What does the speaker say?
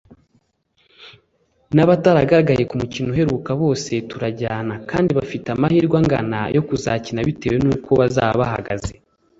n’abataragaragaye ku mukino uheruka bose turajyana kandi bafite amahirwe angana yo kuzakina bitewe n’uko bazaba bahagaze